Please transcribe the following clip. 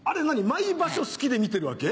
毎場所好きで見てるわけ？